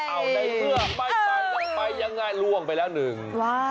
เอาใดเพื่อไปไปอย่างง่ายล่วงไปแล้วหนึ่ง